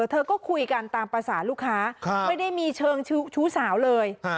เธอก็คุยกันตามภาษาลูกค้าไม่ได้มีเชิงชู้สาวเลย